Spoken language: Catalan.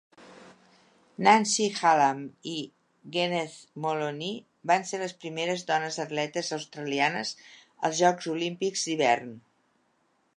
Nancy Hallam i Gweneth Molony van ser les primeres dones atletes australianes als Jocs Olímpics d'hivern.